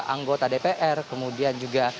anggota dpr kemudian juga